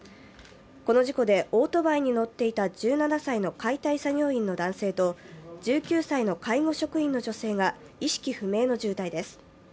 この事故でオートバイに乗っていた１７歳の解体作業員の男性と１９歳の介護職員の女性が意識不明の重体です。